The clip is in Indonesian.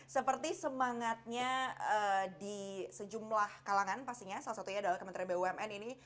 seperti semangatnya di sejumlah kalangan pastinya salah satunya adalah kementerian bumn ini